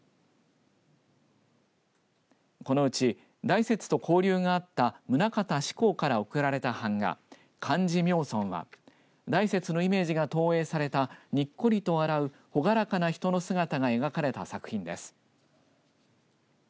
このうち大拙と交流があった棟方志功から贈られた版画莞爾妙尊は大拙のイメージが投影されたにっこりと笑う朗らかな人の姿が描かれた作品です。